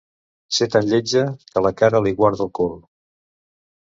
Ser tan lletja, que la cara li guarda el cul.